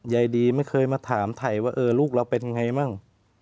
ยายดีไม่เคยมาถามไถ่ว่าเออลูกเราเป็นยังไงมั่ง